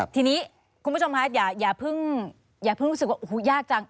ทีนี้คุณผู้ชมภาษณ์อย่าพึ่งจึงว่ายากจัง